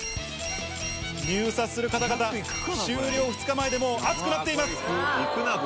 入札する方々、終了２日前でもう熱くなっています！